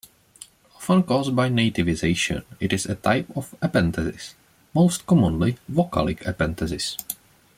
Often caused by nativization, it is a type of epenthesis, most commonly vocalic epenthesis.